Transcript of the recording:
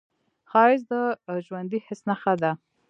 ښایست د ژوندي حس نښه ده